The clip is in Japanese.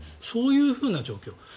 そういう状況。